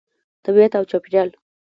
طبیعت او چاپیریال